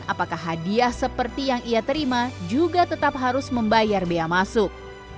apakah hadiah seperti yang ia terima juga tetap harus membayar bea masuk